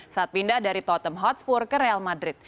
saat pindah dari tottenham hotspur ke real madrid